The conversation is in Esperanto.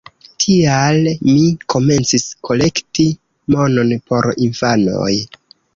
Tial mi komencis kolekti monon por infanoj.